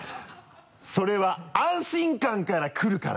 それは安心感から来るから！